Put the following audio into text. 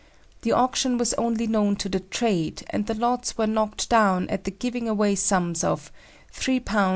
The auction was only known to the trade, and the lots were "knocked down" at the "giving away" sums of £3 13_s.